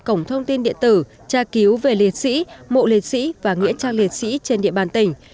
cổng thông tin điện tử tra cứu về liệt sĩ mộ liệt sĩ và nghĩa trang liệt sĩ trên địa bàn tỉnh